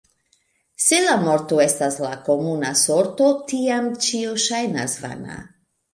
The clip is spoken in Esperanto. Se la morto estas la komuna sorto, tiam ĉio ŝajnas vana.